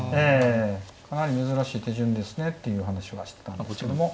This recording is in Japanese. かなり珍しい手順ですねっていう話はしてたんですけども。